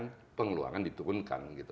kedua pendapatan dinaikkan pendapatan dinaikkan